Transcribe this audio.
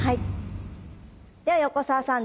では横澤さん